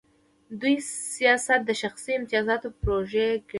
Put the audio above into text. دوی سیاست د شخصي امتیازاتو پروژه ګڼي.